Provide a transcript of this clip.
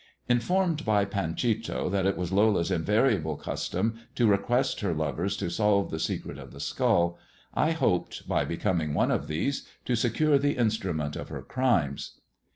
Informed by Panchito that it was Lola's invariable custom to request her lovers to solve the secret of the skull, I hoped, by becoming one of these, to secure the instrument of her crimes.